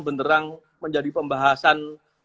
benerang menjadi pembahasan